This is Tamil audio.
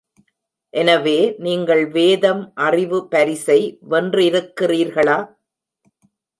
எனவே நீங்கள் வேதம்-அறிவு பரிசை வென்றிருக்கிறீர்களா?